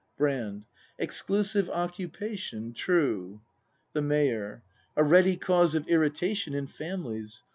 ACT III] BRAND 125 Brand. Exclusive occupation, true. The Mayor. A ready cause of irritation In families.